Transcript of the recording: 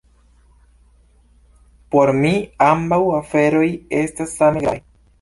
Por mi ambaŭ aferoj estas same gravaj.